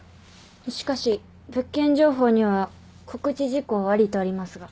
しかし物件情報には「告知事項あり」とありますが？